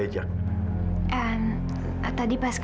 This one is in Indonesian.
jadi berlavin woong ada ga mak